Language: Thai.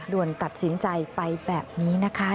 ด่วนตัดสินใจไปแบบนี้นะคะ